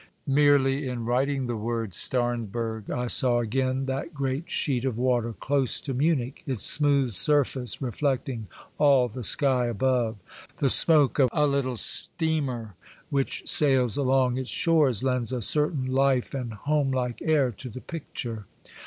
Merely in writing the word " Starnberg " I saw again that great sheet of water close to Munich, its smooth surface reflecting all the sky above ; the smoke of a little streamer which sails along its shores lends a certain life and homelike air to the picture.